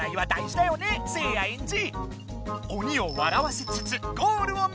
鬼を笑わせつつゴールをめざせ！